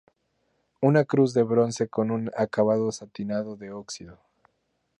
Una cruz de bronce con un acabado satinado de óxido.